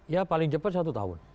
ya paling cepat satu tahun